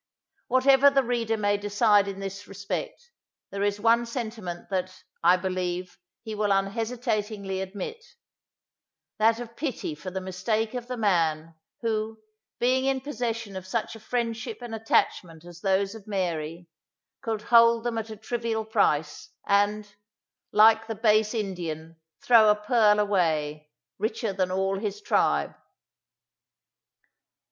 Whatever the reader may decide in this respect, there is one sentiment that, I believe, he will unhesitatingly admit: that of pity for the mistake of the man, who, being in possession of such a friendship and attachment as those of Mary, could hold them at a trivial price, and, "like the base Indian, throw a pearl away, richer than all his tribe.